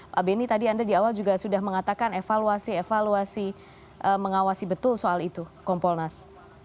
pak benny tadi anda di awal juga sudah mengatakan evaluasi evaluasi mengawasi betul soal itu kompolnas